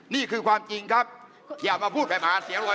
นี่คือความจริงครับอย่ามาพูดแบบหาเสียงเลย